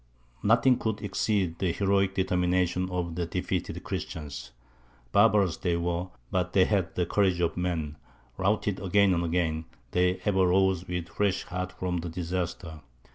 Nothing could exceed the heroic determination of the defeated Christians; barbarous they were, but they had the courage of men: routed again and again, they ever rose with fresh heart from the disaster.